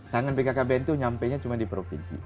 tangan bkkbn itu nyampe nya cuma di provinsi